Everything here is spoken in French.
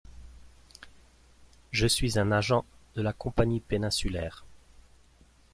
Je suis un agent de la Compagnie péninsulaire.